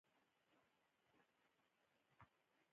عطرونه د خوشبويي لپاره هره ورځ استعمالیږي.